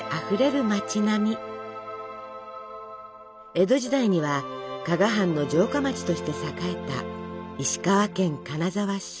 江戸時代には加賀藩の城下町として栄えた石川県金沢市。